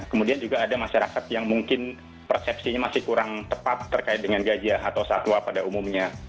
kemudian juga ada masyarakat yang mungkin persepsinya masih kurang tepat terkait dengan gajah atau satwa pada umumnya